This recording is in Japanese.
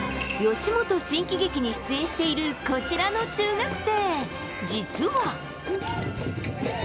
吉本新喜劇に出演しているこちらの中学生、実は。